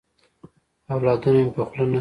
اولادونه مي په خوله نه کیې.